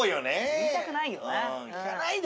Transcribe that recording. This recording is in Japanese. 言いたくないよな。